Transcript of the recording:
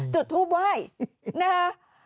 จุดทูปไหว้นะคะ